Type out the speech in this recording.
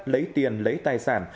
lấy tiền lấy tài sản